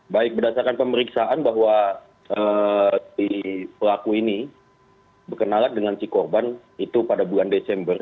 baik berdasarkan pemeriksaan bahwa si pelaku ini berkenalan dengan si korban itu pada bulan desember